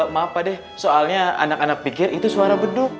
maaf pak deh soalnya anak anak pikir itu suara beduk